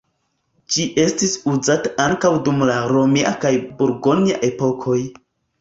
Ĝi estis uzata ankaŭ dum la romia kaj burgonja epokoj.